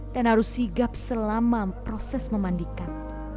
dan harus sigap selama proses memandikan